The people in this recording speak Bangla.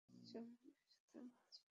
সম্মানের সাথে বাঁচবে।